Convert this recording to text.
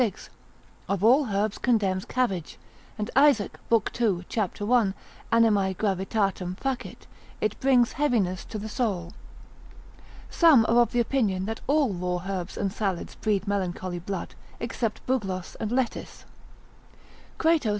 6, of all herbs condemns cabbage; and Isaac, lib. 2. c. 1. Animae gravitatem facit, it brings heaviness to the soul. Some are of opinion that all raw herbs and salads breed melancholy blood, except bugloss and lettuce. Crato, consil. 21.